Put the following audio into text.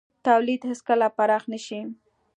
تولید هېڅکله پراخ نه شي.